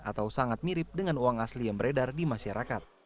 atau sangat mirip dengan uang asli yang beredar di masyarakat